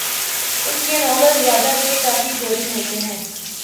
اس کے ناولزیادہ ت کافی بورنگ ہوتے ہے